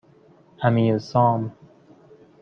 امیرسام